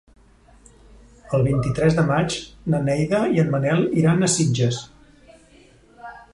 El vint-i-tres de maig na Neida i en Manel iran a Sitges.